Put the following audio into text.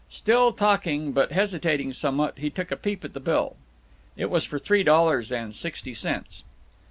Still talking, but hesitating somewhat, he took a peep at the bill. It was for three dollars and sixty cents.